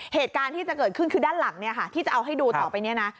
เหตุการณ์ที่จะเกิดขึ้นคือด้านหลังเนี่ยค่ะที่จะเอาให้ดูต่อไปเนี่ยนะ